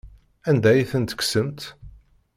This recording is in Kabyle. Anda ay ten-tekksemt?